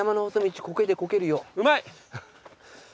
うまい！